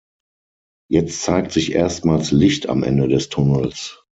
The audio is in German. Jetzt zeigt sich erstmals Licht am Ende des Tunnels.